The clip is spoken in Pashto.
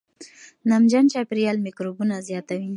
نمجن چاپېریال میکروبونه زیاتوي.